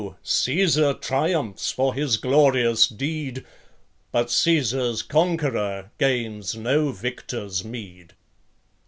Caesar triumphs for his glorious deed, But Caesar's conqueror gains no victor's meed.